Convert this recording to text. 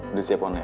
udah siap on ya